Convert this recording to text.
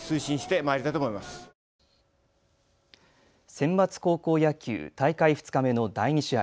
センバツ高校野球、大会２日目の第２試合。